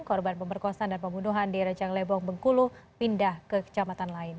korban pemerkosaan dan pembunuhan di rejang lebong bengkulu pindah ke kecamatan lain